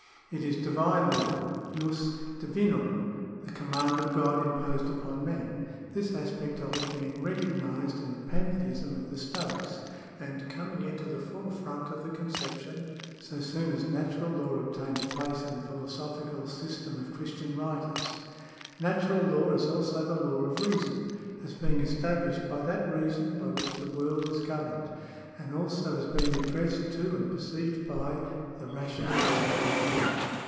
It is Divine Law {jus divinum) — the command of God imposed upon men — this aspect of it being recognised in the pantheism of the Stoics, and coming into the forefront of the conception, so soon as natural law obtained a place in the philosophical system of Christian writers. Natural law is also the Law of Reason, as being established by that Reason by which the world is governed, and also as being addressed to and perceived by the rational nature of man.